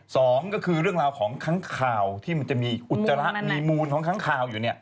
สองก็คือเรื่องของขั้งข่าวที่มันจะมีอุจจาระมูลขั้งข่าวอยู่